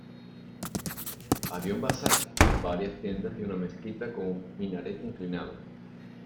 Había un bazar, varias tiendas y una mezquita con un minarete inclinado.